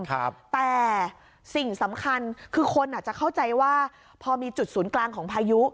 แต่สิ่งสำคัญคือคนอาจจะเข้าใจว่าพอมีจุดศูนย์กลางของพายุ